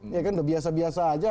ya kan udah biasa biasa aja